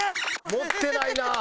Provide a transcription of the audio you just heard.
持ってないなあ。